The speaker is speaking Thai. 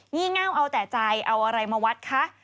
ี่เง่าเอาแต่ใจเอาอะไรมาวัดคะ